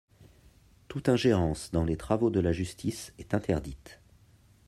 Toute ingérence dans les travaux de la justice est interdite.